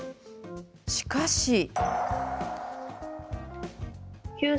しかし。